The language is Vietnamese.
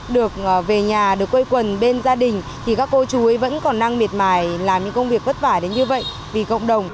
được về nhà được quây quần bên gia đình thì các cô chú ấy vẫn còn đang miệt mài làm những công việc vất vả đến như vậy vì cộng đồng